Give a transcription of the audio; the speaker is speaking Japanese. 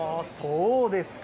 そうですね。